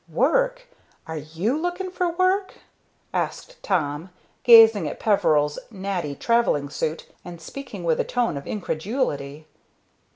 "Work! Are you looking for work?" asked Tom, gazing at Peveril's natty travelling suit, and speaking with a tone of incredulity.